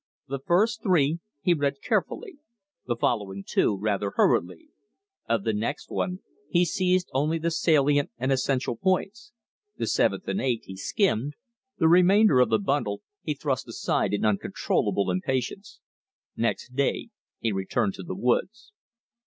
The first three he read carefully; the following two rather hurriedly; of the next one he seized only the salient and essential points; the seventh and eighth he skimmed; the remainder of the bundle he thrust aside in uncontrollable impatience. Next day he returned to the woods.